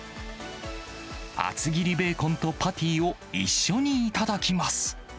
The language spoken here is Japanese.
厚切りベーコンとパティを一緒に頂きます。